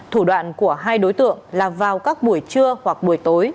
thủ đoạn của hai đối tượng là vào các buổi trưa hoặc buổi tối